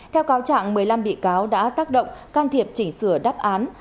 theo cáo trạng một mươi năm bị cáo đã tác động can thiệp chỉnh sửa đáp án